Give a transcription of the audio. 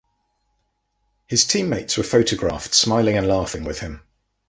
His teammates were photographed smiling and laughing with him.